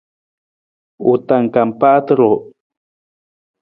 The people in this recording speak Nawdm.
U tangkang paata ruu.